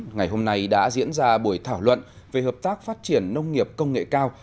ngày hôm nay đã diễn ra buổi thảo luận về hợp tác phát triển nông nghiệp công nghệ cao